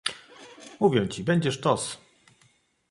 Mówię ci, będzie sztos!